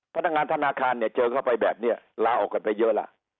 พนักงานธนาคารเนี่ยเจอเข้าไปแบบนี้ลาออกกันไปเยอะล่ะ